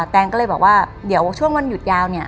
แนนก็เลยบอกว่าเดี๋ยวช่วงวันหยุดยาวเนี่ย